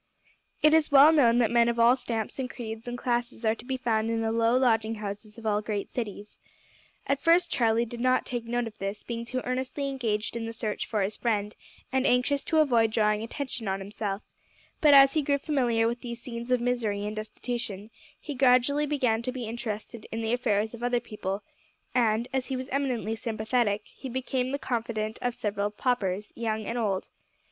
It is well known that men of all stamps and creeds and classes are to be found in the low lodging houses of all great cities. At first Charlie did not take note of this, being too earnestly engaged in the search for his friend, and anxious to avoid drawing attention on himself; but as he grew familiar with these scenes of misery and destitution he gradually began to be interested in the affairs of other people, and, as he was eminently sympathetic, he became the confidant of several paupers, young and old.